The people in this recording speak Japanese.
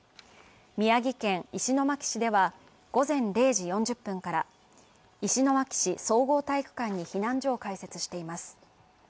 宮城県石巻市では、午前０時４０分から石巻市総合体育館に避難所を開設しています。